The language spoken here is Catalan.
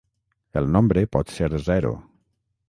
El nombre pot ser zero.